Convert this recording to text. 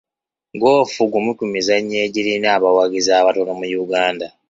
Goofu gumu ku mizannyo egirina abawagizi abatono mu Uganda.